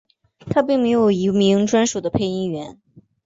它并没有一名专属的配音员。